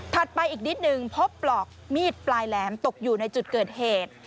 ไปอีกนิดนึงพบปลอกมีดปลายแหลมตกอยู่ในจุดเกิดเหตุ